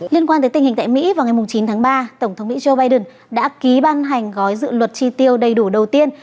liên quan tới tình hình tại mỹ vào ngày chín tháng ba tổng thống mỹ joe biden đã ký ban hành gói dự luật tri tiêu đầy đủ đầu tiên